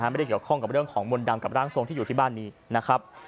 ไม่ได้เกี่ยวข้องกับเรื่องของมนต์ดำกับร่างทรงที่อยู่ที่บ้านนี้นะครับ